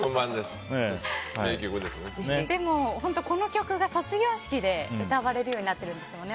でも、この曲が卒業式で歌われるようになってるんですね。